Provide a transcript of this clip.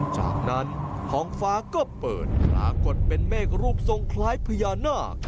จากนั้นท้องฟ้าก็เปิดปรากฏเป็นเมฆรูปทรงคล้ายพญานาค